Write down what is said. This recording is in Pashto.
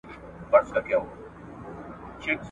ورو په ورو د دام پر لوري ور روان سو `